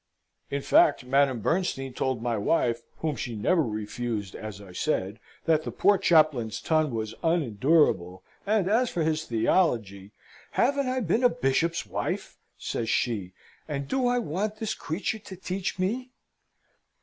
In fact Madame Bernstein told my wife, whom she never refused, as I said, that the poor chaplain's ton was unendurable, and as for his theology, "Haven't I been a Bishop's wife?" says she, "and do I want this creature to teach me?"